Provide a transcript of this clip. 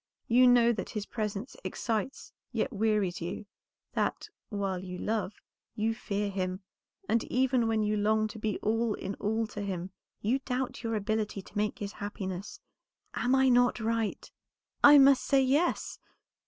You know that his presence excites, yet wearies you; that, while you love, you fear him, and even when you long to be all in all to him, you doubt your ability to make his happiness. Am I not right?" "I must say, yes."